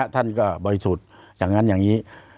ท่านก็บ่อยสุดจากนั้นอย่างนี้